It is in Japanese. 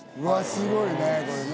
すごいなこれね。